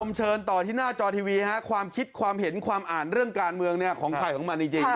ผมเชิญต่อที่หน้าจอทีวีฮะความคิดความเห็นความอ่านเรื่องการเมืองเนี่ยของใครของมันจริง